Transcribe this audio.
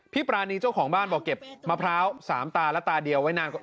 ปรานีเจ้าของบ้านบอกเก็บมะพร้าว๓ตาและตาเดียวไว้นาน